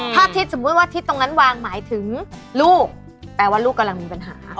ถ้าทิศสมมุติว่าทิศตรงนั้นวางหมายถึงลูกแปลว่าลูกกำลังมีปัญหา